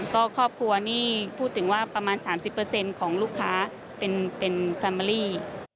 ก็ครอบครัวนี่พูดถึงว่าประมาณ๓๐เปอร์เซ็นต์ของลูกค้าเป็นแฟมมิลลี